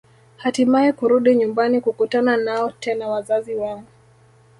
Hatimaye kurudi nyumbani kukutana nao tena wazazi wao